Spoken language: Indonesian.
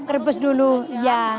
kerebus dulu ya